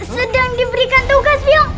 sedang diberikan tugas mio